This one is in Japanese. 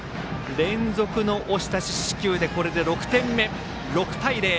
連続の押し出し四死球でこれで６点目、６対０。